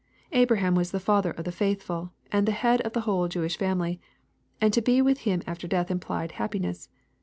Abraham was the father of the faithful, and the head of the whole Jewish family, and to be with him after death implied happiness.